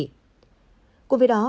cảm ơn các bạn đã theo dõi